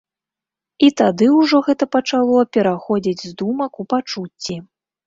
І тады ўжо гэта пачало пераходзіць з думак у пачуцці.